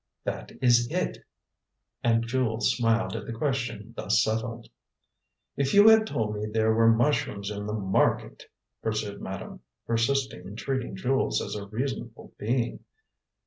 "That is it!" and Jules smiled at the question thus settled. "If you had told me there were mushrooms in the market " pursued madame, persisting in treating Jules as a reasonable being.